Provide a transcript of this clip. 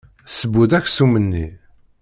Tesseww-d aksum-nni.